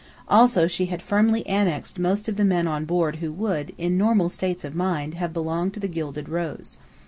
Also she had firmly annexed most of the men on board who would, in normal states of mind, have belonged to the Gilded Rose.